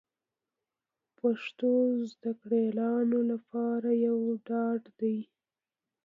پښتو زده کړیالانو لپاره یو ډاډ دی